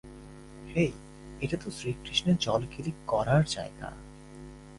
হেই, এটা তো শ্রীকৃষ্ণের জলকেলী করার জায়গা।